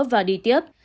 và đi tiếp